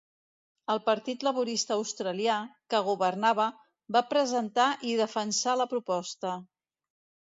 El Partit Laborista Australià, que governava, va presentar i defensar la proposta.